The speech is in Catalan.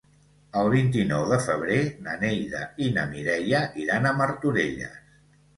El vint-i-nou de febrer na Neida i na Mireia iran a Martorelles.